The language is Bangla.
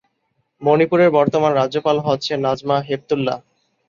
মণিপুরের বর্তমান রাজ্যপাল হচ্ছেন নাজমা হেপতুল্লা।